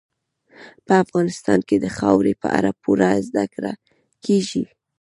په افغانستان کې د خاورې په اړه پوره زده کړه کېږي.